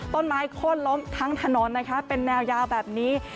ต้นไม้โคดลมทั้งถนนเป็นแนวยาวแบบนี้